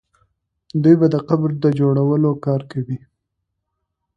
دوی به د قبر د جوړولو کار کوي.